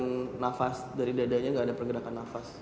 tidak ada pergerakan nafas dari dadanya gak ada pergerakan nafas